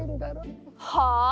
はあ？